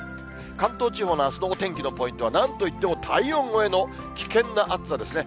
関東地方のあすのお天気のポイントは、なんといっても体温超えの危険な暑さですね。